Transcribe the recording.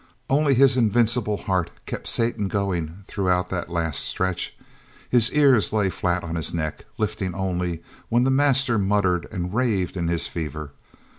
Only his invincible heart kept Satan going throughout that last stretch. His ears lay flat on his neck, lifting only when the master muttered and raved in his fever.